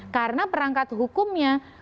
karena perangkat hukumnya